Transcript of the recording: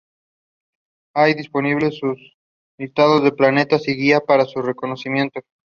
Hay disponible un listado de plantas y guía para su reconocimiento.